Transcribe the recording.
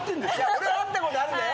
俺は会ったことあるんだよ。